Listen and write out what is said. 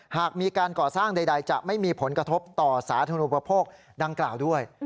หากมีการก่อสร้างใดจะไม่มีผลกระทบต่อสาธนูปโภคดังกล่าวด้วย